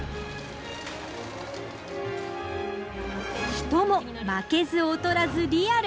人も負けず劣らずリアル。